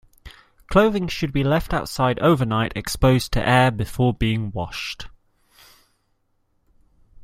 Clothing should be left outside overnight, exposed to air before being washed.